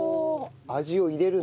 味を入れるんだ。